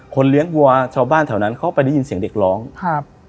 เลี้ยงวัวชาวบ้านแถวนั้นเขาไปได้ยินเสียงเด็กร้องครับ